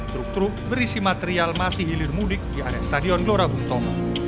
truk truk berisi material masih hilir mudik di area stadion gelora bung tomo